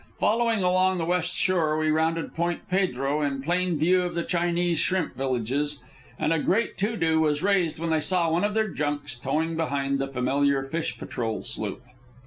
Following along the west shore, we rounded Point Pedro in plain view of the Chinese shrimp villages, and a great to do was raised when they saw one of their junks towing behind the familiar fish patrol sloop.